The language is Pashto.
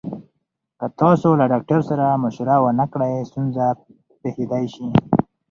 که تاسو له ډاکټر سره مشوره ونکړئ، ستونزه پېښېدای شي.